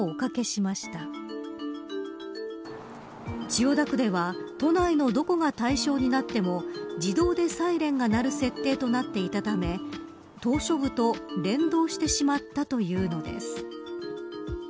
千代田区では都内のどこが対象になっても自動でサイレンが鳴る設定となっていたため島しょ部と連動してしまったというのです。